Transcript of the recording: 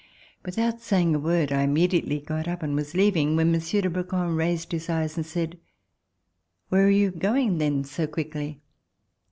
Without saying a word, I Immediately got up and was leaving when Monsieur de Brouquens raised his eyes and said: "Where are you going then so quickly?"